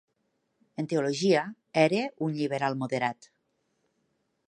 En teologia era un liberal moderat.